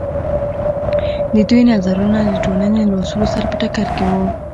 د دوی نظرونه د ټولنې له اصولو سره په ټکر کې وو.